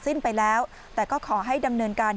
สิ้นไปแล้วแต่ก็ขอให้ดำเนินการ